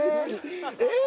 えっ？